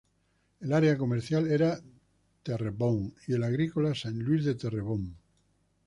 El área comercial era Terrebonne y el agrícola, Saint-Louis de Terrebonne.